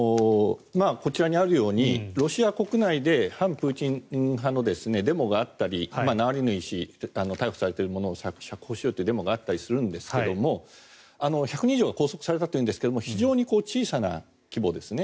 こちらにあるようにロシア国内で反プーチン派のデモがあったりナワリヌイ氏逮捕されている者を釈放しろというデモがあったりするんですが１００人以上が拘束されたというんですが非常に小さな規模ですね。